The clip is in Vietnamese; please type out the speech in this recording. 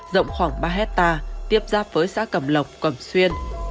rộng khoảng ba hectare tiếp giáp với xã cẩm lộc cầm xuyên